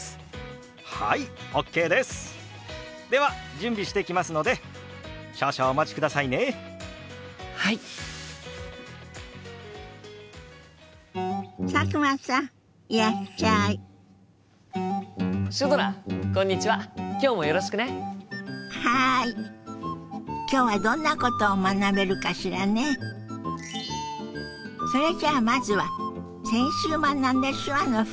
それじゃあまずは先週学んだ手話の復習から始めましょ。